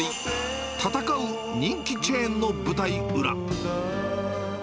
闘う人気チェーンの舞台ウラ。